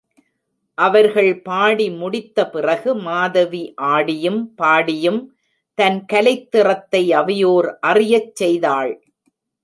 அவர்கள் பாடி முடித்த பிறகு மாதவி ஆடியும், பாடியும் தன் கலைத் திறத்தை அவையோர் அறியச் செய்தாள்.